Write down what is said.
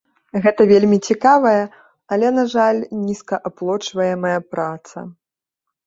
Гэта вельмі цікавая, але, на жаль, нізкааплочваемая праца.